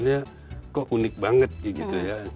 dan erat ini kau tenang banget dia tapi kok